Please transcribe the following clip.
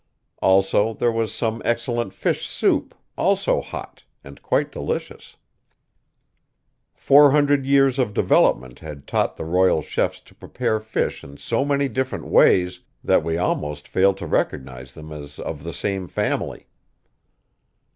Also there was some excellent fish soup, also hot, and quite delicious. Four hundred years of development had taught the royal chefs to prepare fish in so many different ways that we almost failed to recognize them as of the same family.